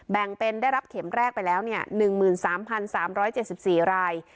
แบ่งเป็นได้รับเข็มแรกไปแล้วเนี่ยหนึ่งหมื่นสามพันสามร้อยเจ็ดสิบสี่ราย